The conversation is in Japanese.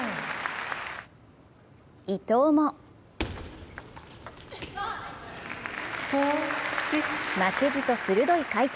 伊藤も負けじと鋭い回転。